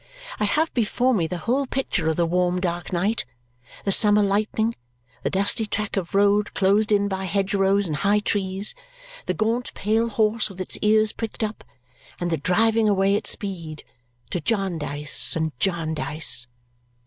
I have before me the whole picture of the warm dark night, the summer lightning, the dusty track of road closed in by hedgerows and high trees, the gaunt pale horse with his ears pricked up, and the driving away at speed to Jarndyce and Jarndyce.